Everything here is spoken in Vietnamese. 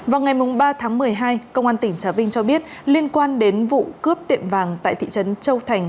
vào ngày ba tháng một mươi hai công an tỉnh trà vinh cho biết liên quan đến vụ cướp tiệm vàng tại thị trấn châu thành